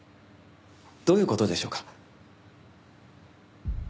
どういう事でしょうか？